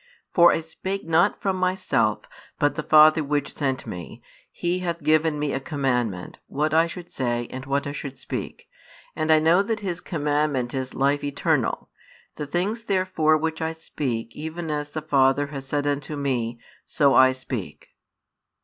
For I spake not from Myself; but the Father Which sent Me, He hath given Me a commandment, what I should say, and what I should speak. And I know that His commandment is life eternal: the things therefore which I speak, even as the Father hath said unto Me, so I speak.